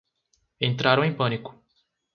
Entraram em pânico